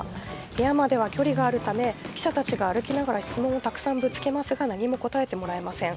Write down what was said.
部屋までは距離があるため記者たちが歩きながら質問をたくさんぶつけますが何も答えてもらえません。